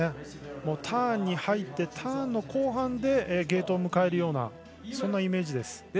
ターンに入ってターンの後半でゲートを迎えるようなイメージ。